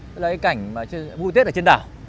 cái cảnh vui tết ở trên đảo